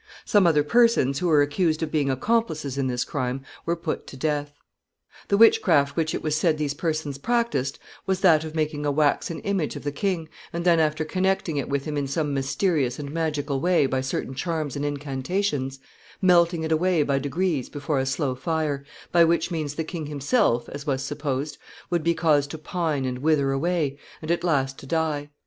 Some other persons, who were accused of being accomplices in this crime, were put to death. [Sidenote: Witchcraft.] The witchcraft which it was said these persons practiced was that of making a waxen image of the king, and then, after connecting it with him in some mysterious and magical way by certain charms and incantations, melting it away by degrees before a slow fire, by which means the king himself, as was supposed, would be caused to pine and wither away, and at last to die.